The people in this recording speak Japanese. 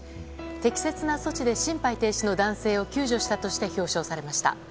適切な措置で、心肺停止の男性を救助したとして表彰されました。